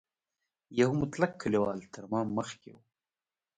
یو مطلق کلیوال تر ما مخکې و.